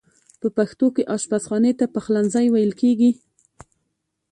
په پښتو کې آشپز خانې ته پخلنځی ویل کیږی.